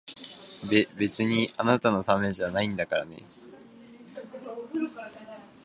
べ、別にあんたのためじゃないんだからね！